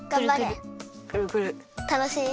たのしい？